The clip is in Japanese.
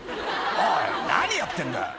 「おい何やってんだ」